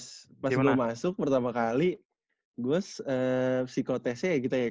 bu pas gue pas gue masuk pertama kali gue psikotestnya ya gitu ya kak